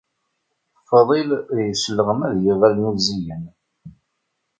Faḍil yesleɣma d yiɣallen uzzigen.